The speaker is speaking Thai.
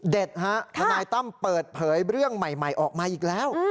ทนายตั้มเปิดเผยเรื่องใหม่ออกมาอีกแล้ว